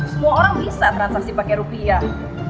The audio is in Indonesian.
semua orang bisa transaksi pakai rupiah